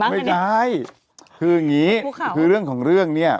ไม่ใช่คืออย่างนี้คือเรื่องของเรื่องเนี่ย